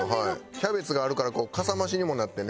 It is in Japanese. キャベツがあるからかさ増しにもなってね。